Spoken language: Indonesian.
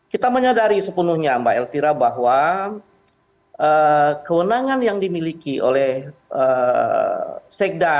kita menyadari sepenuhnya mbak elvira bahwa kewenangan yang dimiliki oleh sekda